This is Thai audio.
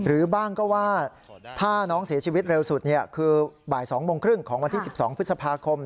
หรือบ้างก็ว่าถ้าน้องเสียชีวิตเร็วสุดคือบ่าย๒โมงครึ่งของวันที่๑๒พฤษภาคม